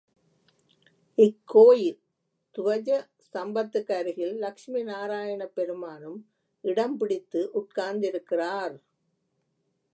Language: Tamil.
இக்கோயில் துவஜ ஸ்தம்பத்துக்கு அருகில் லக்ஷ்மி நாராயணப் பெருமானும் இடம் பிடித்து உட்கார்ந்திருக்கிறார்.